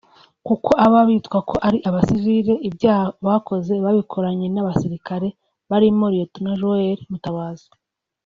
kuko aba bitwa ko ari abasivile ibyaha bakoze babikoranye n’abasirikare barimo Lt Joel Mutabazi